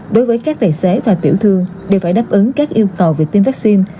đối với các tài xế và tiểu thương đều phải đáp ứng các yêu cầu về tiêm vaccine